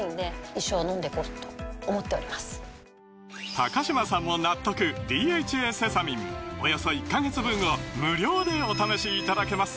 高嶋さんも納得「ＤＨＡセサミン」およそ１カ月分を無料でお試しいただけます